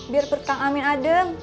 biar petang amin adeng